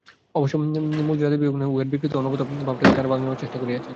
অবশ্য মূল জাতিবিভাগকে নহে, উহার বিকৃত ও অবনত ভাবটাকেই তাঁহারা ভাঙিবার চেষ্টা করিয়াছিলেন।